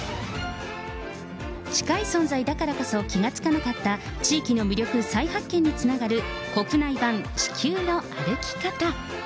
近い存在だからこそ気が付かなかった地域の魅力再発見につながる、国内版地球の歩き方。